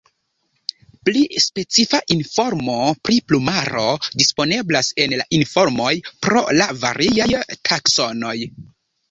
Pli specifa informo pri plumaro disponeblas en la informoj pro la variaj taksonoj.